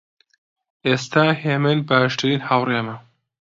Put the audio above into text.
ئێستا هێمن باشترین هاوڕێمە.